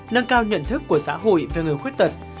nâng cao nhận thức của xã hội về người khuyết tật